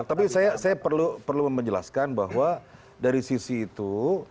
tapi saya perlu menjelaskan bahwa dari sisi itu